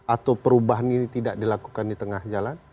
atau perubahan ini tidak dilakukan di tengah jalan